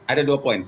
ada dua poin